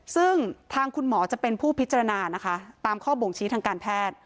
ซึ่งทางคุณหมอจะเป็นผู้พิจารณานะคะตามข้อบ่งชี้ทางการแพทย์